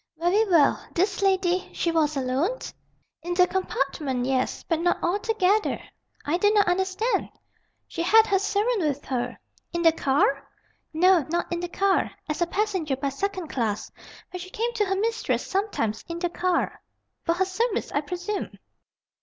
"Very well. This lady she was alone?" "In the compartment, yes. But not altogether." "I do not understand!" "She had her servant with her." "In the car?" "No, not in the car. As a passenger by second class. But she came to her mistress sometimes, in the car." "For her service, I presume?"